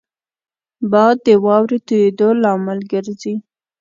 باد د واورې تویېدو لامل ګرځي